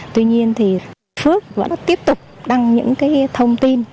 tuy nhiên phước vẫn tiếp tục đăng những thông tin